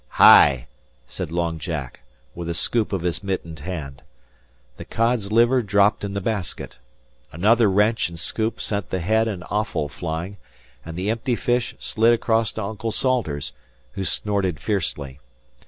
"Hi!" said Long Jack, with a scoop of his mittened hand. The cod's liver dropped in the basket. Another wrench and scoop sent the head and offal flying, and the empty fish slid across to Uncle Salters, who snorted fiercely.